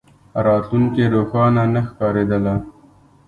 راتلونکې روښانه نه ښکارېدله.